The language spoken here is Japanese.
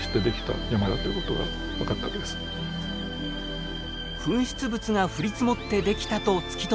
噴出物が降り積もってできたと突き止められた宝永山。